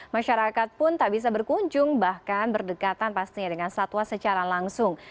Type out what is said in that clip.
masyarakat pun tak bisa berkunjung bahkan berdekatan pastinya dengan satwa secara langsung